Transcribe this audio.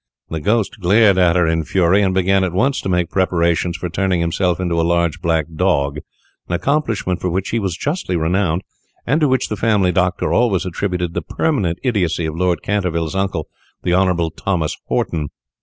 The ghost glared at her in fury, and began at once to make preparations for turning himself into a large black dog, an accomplishment for which he was justly renowned, and to which the family doctor always attributed the permanent idiocy of Lord Canterville's uncle, the Hon. Thomas Horton.